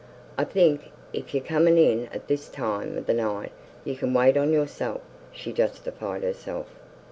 "I think, if yer comin' in at this time of night, you can wait on yourself," she justified herself.